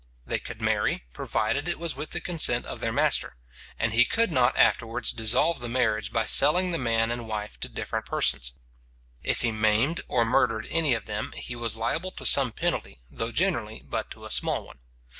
They could marry, provided it was with the consent of their master; and he could not afterwards dissolve the marriage by selling the man and wife to different persons. If he maimed or murdered any of them, he was liable to some penalty, though generally but to a small one.